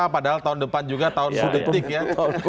setidaknya kalau tahun depan juga tahun politik ya